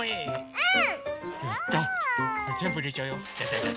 うん！